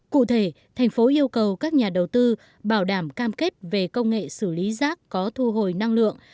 cụ thể thành phố yêu cầu các nhà đầu tư bảo đảm cam kết về công nghệ xử lý rác có thu hồi năng lượng